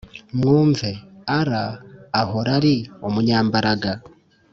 mwumve! allah ahora ari umunyambaraga